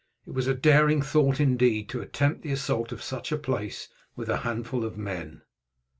It was a daring thought, indeed, to attempt the assault of such a place with a handful of men.